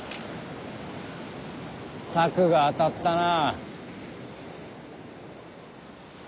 策が当たったな。